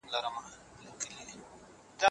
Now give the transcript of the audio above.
په بازار کې د عطرو بوی د خلکو پام ځانته را اړوي.